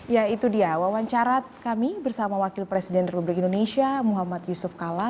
ya itu dia wawancara kami bersama wakil presiden republik indonesia muhammad yusuf kala